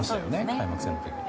開幕戦の時に。